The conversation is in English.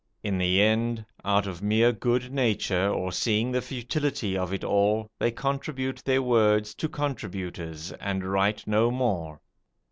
In the end, out of mere good nature, or seeing the futility of it all, they contribute their words to contributors and write no more.